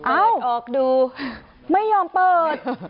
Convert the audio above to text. อ้าวเปิดออกดูไม่ยอมเปิด